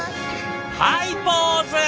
はいポーズ！